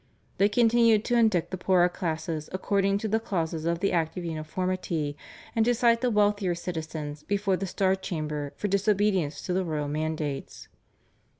They continued to indict the poorer classes according to the clauses of the Act of Uniformity and to cite the wealthier citizens before the Star Chamber for disobedience to the royal mandates.